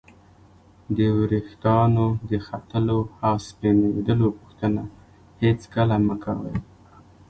د ورېښتانو د ختلو او سپینېدلو پوښتنه هېڅکله مه کوئ!